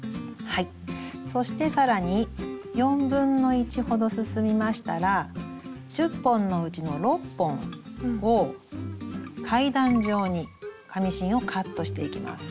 そして更に1/4ほど進みましたら１０本のうちの６本を階段上に紙芯をカットしていきます。